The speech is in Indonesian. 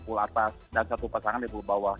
pukul atas dan satu pasangan di pulau bawah